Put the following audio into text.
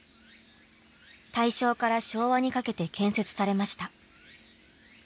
大正から昭和にかけて建設されました。